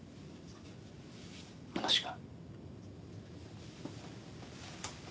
話が。